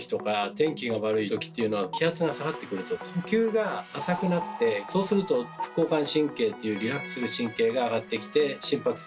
気圧が下がってくると呼吸が浅くなってそうすると副交感神経っていうリラックスする神経が上がってきて心拍数を下げてですね